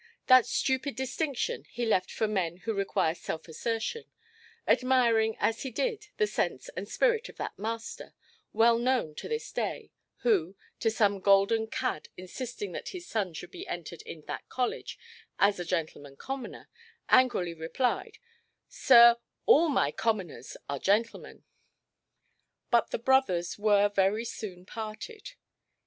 That stupid distinction he left for men who require self–assertion, admiring as he did the sense and spirit of that Master, well known in his day, who, to some golden cad insisting that his son should be entered in that college as a gentleman–commoner, angrily replied, "Sir, all my commoners are gentlemen". But the brothers were very soon parted.